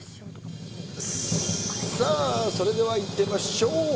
さあ、それではいってみましょう。